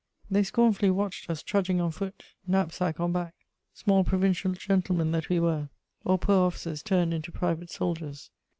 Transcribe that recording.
They scornfully watched us trudging on foot, knapsack on back, small provincial gentlemen that we were, or poor officers turned into private soldiers.